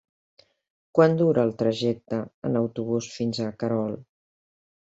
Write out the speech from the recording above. Quant dura el trajecte en autobús fins a Querol?